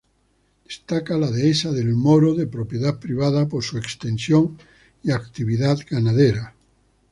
Destaca la Dehesa del Moro, de propiedad privada, por su extensión y actividad ganadera.